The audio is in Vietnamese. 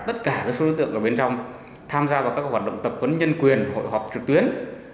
tất cả số đối tượng ở bên trong tham gia vào các hoạt động tập huấn nhân quyền hội họp trực tuyến